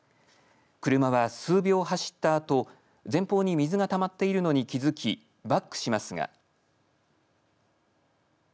車は数秒走ったあと前方に水がたまっているのに気づきバックしますが。